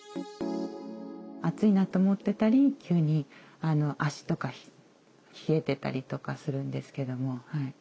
暑いなと思ってたり急に足とか冷えてたりとかするんですけども。